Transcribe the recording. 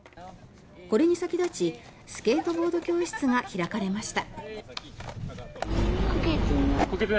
これに先立ちスケートボード教室が開かれました。